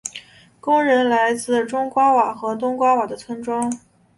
工人来自中爪哇和东爪哇的村庄。